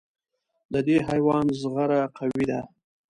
د دې حیوان زغره قوي ده.